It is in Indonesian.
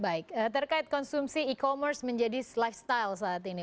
baik terkait konsumsi e commerce menjadi lifestyle saat ini